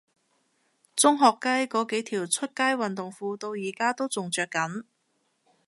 中學雞嗰幾條出街運動褲到而家都仲着緊